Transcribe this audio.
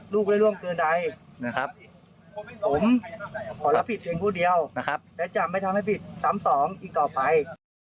ไม่ได้ร่วงเกินใดนะครับผมขอรับผิดเพียงผู้เดียวนะครับและจะไม่ทำให้ผิดซ้ำสองอีกต่อไป